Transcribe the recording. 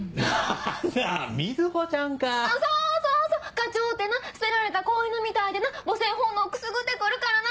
課長ってな捨てられた子犬みたいでな母性本能くすぐって来るからな！